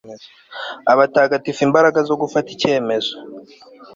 Abatagifite imbaraga zo gufata icyemezo